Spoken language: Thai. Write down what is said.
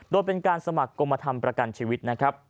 โดยเป็นการสมัครกรมธรรมประกันชีวิตนะครับ